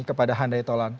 kepada handai tolan